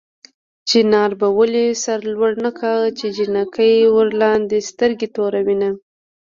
چنار به ولې سر لوړ نه کا چې جنکۍ ورلاندې سترګې توروينه